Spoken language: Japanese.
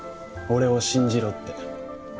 俺を信じろって